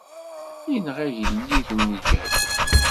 Inɣa igelliden iǧehden.